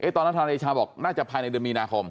ทนายเดชาบอกน่าจะภายในเดือนมีนาคม